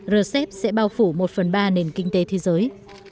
rcep sẽ bao phủ một phần ba nền kinh tế thế giới